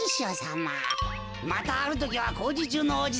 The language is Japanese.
またあるときはこうじちゅうのおじさん。